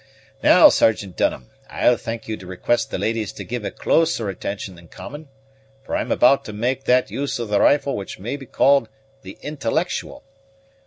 Now, Sergeant Dunham, I'll thank you to request the ladies to give a closer attention than common; for I'm about to make that use of the rifle which may be called the intellectual.